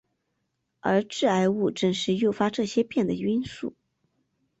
而致癌物正是诱发这些变的因素。